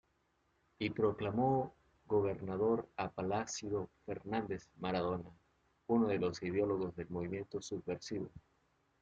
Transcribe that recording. Y proclamó gobernador a Plácido Fernández Maradona, uno de los ideólogos del movimiento subversivo.